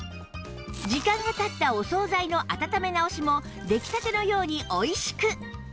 時間が経ったお総菜の温め直しも出来たてのようにおいしく